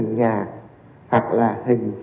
nhà hoặc là hình